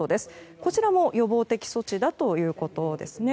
こちらも予防的措置だということですね。